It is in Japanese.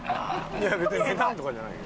いや別に値段とかじゃないよ。